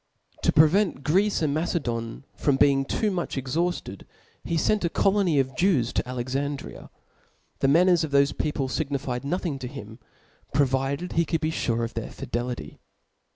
tit. 7. § i. To prevent Greece and Macedon from being too^ *' much cxhaufted, he fent a colony of Jews * to Alexandria ; the manners of thofe people fignified nothing to him, provided he could be furc of their fidelity.